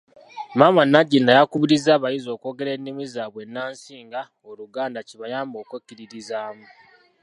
Maama Nagginda yakubiriza abayizi okwogera ennimi zaabwe ennansi nga; Oluganda kibayambe okwekkiririzaamu.